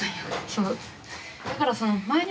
そう。